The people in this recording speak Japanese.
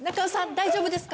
大丈夫ですか？